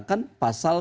yang anggaman kesehatan